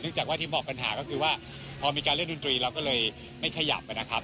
จากว่าที่บอกปัญหาก็คือว่าพอมีการเล่นดนตรีเราก็เลยไม่ขยับนะครับ